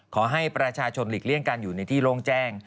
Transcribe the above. ขอให้ประชาชนหลีกเลี่ยงการอยู่ในที่โล่งแจ้ง